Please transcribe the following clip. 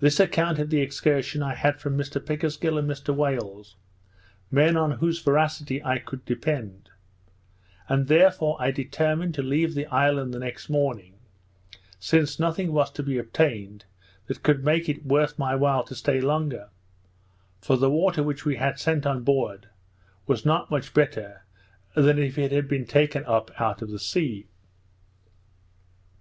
This account of the excursion I had from Mr Pickersgill and Mr Wales, men on whose veracity I could depend; and therefore I determined to leave the island the next morning, since nothing was to be obtained that could make it worth my while to stay longer; for the water which we had sent on board, was not much better than if it had been taken up out of the sea.